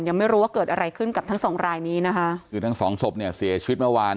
ยังไม่รู้ว่าเกิดอะไรขึ้นกับทั้งสองรายนี้นะคะคือทั้งสองศพเนี่ยเสียชีวิตเมื่อวาน